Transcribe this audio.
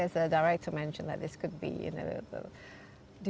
bahwa ini bisa terbang sebagai